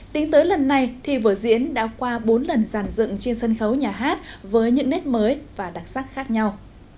tính tới lần này thì vở diễn đã qua bốn lần giàn dựng trên sân khấu nhà hát với những nét mới và đặc sắc khác nhau